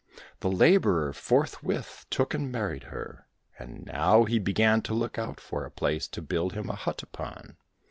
The labourer forthwith took and married her ; and now he began to look out for a place to build him a hut upon.